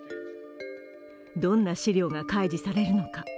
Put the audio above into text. どんな資料が開示されるのか。